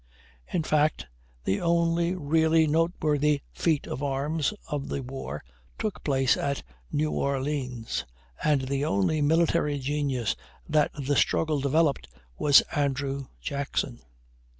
In fact, the only really noteworthy feat of arms of the war took place at New Orleans, and the only military genius that the struggle developed was Andrew Jackson.